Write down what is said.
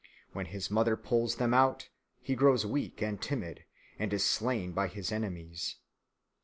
When his mother pulls them out, he grows weak and timid and is slain by his enemies.